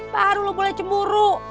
baru lu boleh cemburu